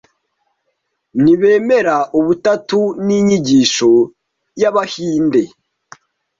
ntibemera Ubutatu n’inyigisho y’Abahinde